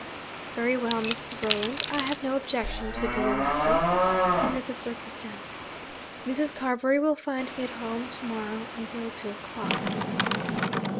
'Very well, Mrs. Rolland, I have no objection to be your reference, under the circumstances. Mrs. Carbury will find me at home to morrow until two o'clock.'